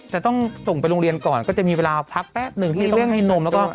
ถ้าต้องส่งไปโรงเรียนก่อนก็จะมีเวลาผักแป๊บหนึ่งให้ล่ม